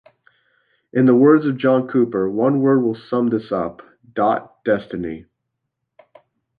In the words of John Cooper, One word will sum this up.. dot destiny.